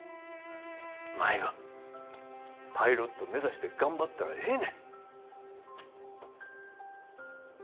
舞はパイロット目指して頑張ったらええね。